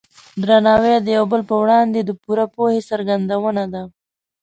درناوی د یو بل په وړاندې د پوره پوهې څرګندونه ده.